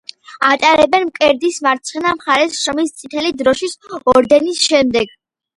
ატარებენ მკერდის მარცხენა მხარეს შრომის წითელი დროშის ორდენის შემდეგ.